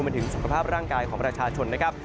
ถึงสุขภาพร่างกายของประชาชนนะครับ